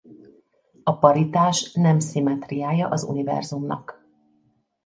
A paritás nem szimmetriája az univerzumnak.